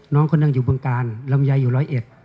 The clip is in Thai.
น้องคนหนึ่งอยู่บึงกาลลำไยอยู่ร้อยเอ็ด